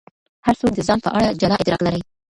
هر څوک د ځان په اړه جلا ادراک لري.